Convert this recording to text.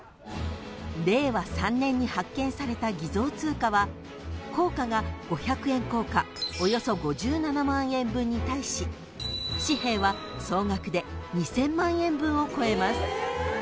［令和３年に発見された偽造通貨は硬貨が５００円硬貨およそ５７万円分に対し紙幣は総額で２，０００万円分を超えます］